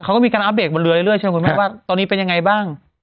เขาก็มีการอัปเดตบนเรือเรื่อยใช่ไหมคุณแม่ว่าตอนนี้เป็นยังไงบ้าง